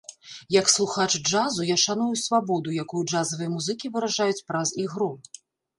Як слухач джазу, я шаную свабоду, якую джазавыя музыкі выражаюць праз ігру.